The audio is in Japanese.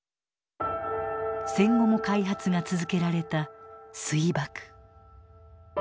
戦後も開発が続けられた「水爆」。